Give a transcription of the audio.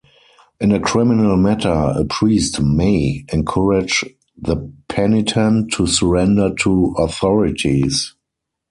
In a criminal matter, a priest "may" encourage the penitent to surrender to authorities.